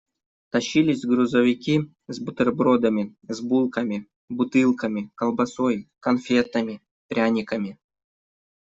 Тащились грузовики с бутербродами, с булками, бутылками, колбасой, конфетами, пряниками.